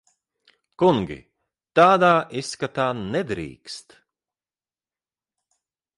Kungi! Tādā izskatā nedrīkst.